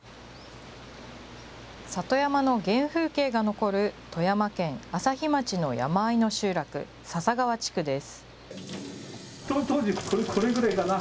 里山の原風景が残る、富山県朝日町の山あいの集落、笹川地区です。